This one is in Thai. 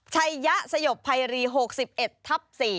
ใชยสยบภายคลิ๖๑ทับ๔